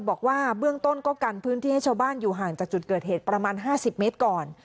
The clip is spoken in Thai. บอกว่าเบื้องต้นก็กันพื้นที่ให้ชาวบ้านอยู่ห่างจากจุดเกิดเหตุประมาณ๕๐เมตรก่อน